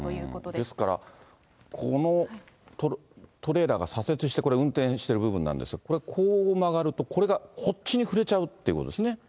ですから、このトレーラーが左折して、これ運転している部分なんですが、これ、こう曲がると、これがこっちに振れちゃうっていうことですね。